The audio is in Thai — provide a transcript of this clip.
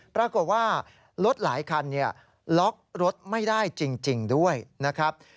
ปรากฏว่ารถหลายคันล็อกรถไม่ได้จริงด้วยนะครับ